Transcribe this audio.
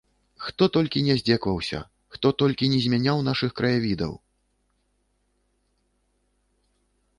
Хто толькі ня зьдзекаваўся, хто толькі не зьмяняў нашых краявідаў!